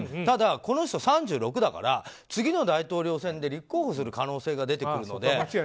ただ、この人３６だから次の大統領選で立候補する可能性が出てくるので。